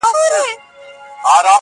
چي له عقله یې جواب غواړم ساده یم,